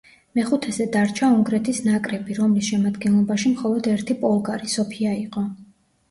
მეხუთეზე დარჩა უნგრეთის ნაკრები, რომლის შემადგენლობაში მხოლოდ ერთი პოლგარი, სოფია იყო.